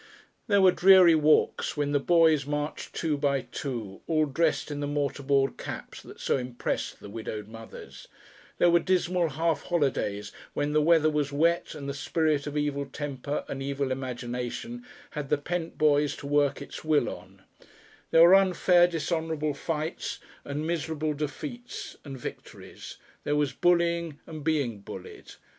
There were dreary walks, when the boys marched two by two, all dressed in the mortarboard caps that so impressed the widowed mothers; there were dismal half holidays when the weather was wet and the spirit of evil temper and evil imagination had the pent boys to work its will on; there were unfair, dishonourable fights and miserable defeats and victories, there was bullying and being bullied.